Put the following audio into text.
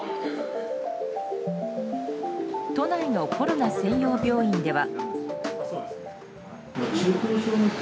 都内のコロナ専用病院では。